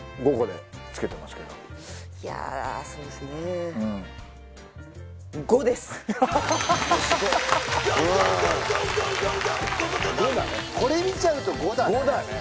５だねこれ見ちゃうと５だね